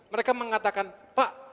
mereka mengatakan pak